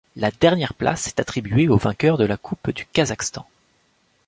La dernière place est attribuée au vainqueur de la Coupe du Kazakhstan.